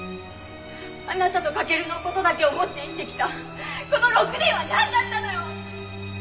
あなたと翔の事だけを思って生きてきたこの６年はなんだったのよ！？